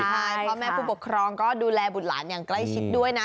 ใช่พ่อแม่ผู้ปกครองก็ดูแลบุตรหลานอย่างใกล้ชิดด้วยนะ